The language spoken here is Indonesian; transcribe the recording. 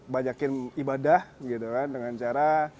banyakin ibadah gitu kan dengan cara